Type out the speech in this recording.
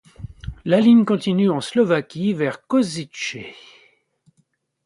La ligne continue en Slovaquie vers Košice.